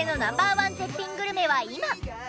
１絶品グルメは今？